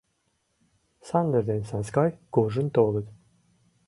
Сандыр ден Саскай куржын толыт.